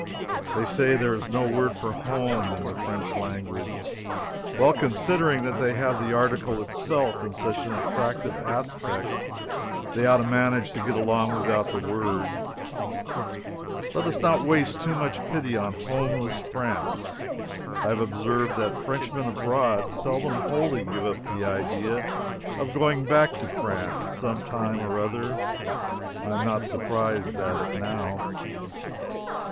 They say there is no word for "home" in the French language. Well, considering that they have the article itself in such an attractive aspect, they ought to manage to get along without the word. Let us not waste too much pity on "homeless" France. I have observed that Frenchmen abroad seldom wholly give up the idea of going back to France some time or other. I am not surprised at it now.